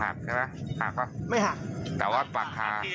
ไม่หักแต่ว่าปากคา